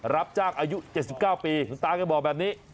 รับจากอายุเจ็ดสิบเก้าปีตาแค่บอกแบบนี้